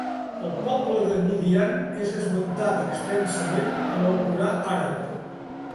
El poble de Midian és esmentat extensament a l'Alcorà àrab.